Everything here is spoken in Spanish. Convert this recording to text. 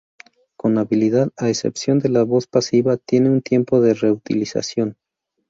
Cada habilidad, a excepción de la voz pasiva, tiene un tiempo de reutilización.